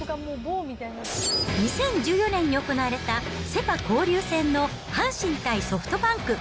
２０１４年に行われたセ・パ交流戦の阪神対ソフトバンク。